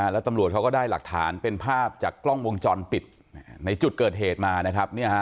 แล้วตำรวจเขาก็ได้หลักฐานเป็นภาพจากกล้องวงจรปิดในจุดเกิดเหตุมานะครับ